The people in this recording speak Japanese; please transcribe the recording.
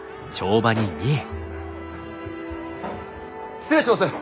失礼します！